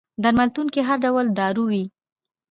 درملتون کي هر ډول دارو وي